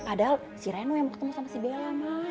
padahal si reno yang mau ketemu sama si bella mak